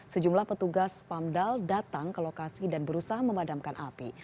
sejumlah petugas pamdal datang ke lokasi dan berusaha memadamkan api